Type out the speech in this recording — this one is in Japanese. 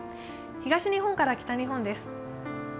東日本から北日本です。